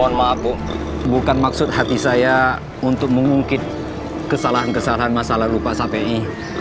mohon maaf bu bukan maksud hati saya untuk mengungkit kesalahan kesalahan masa lalu lupa sapi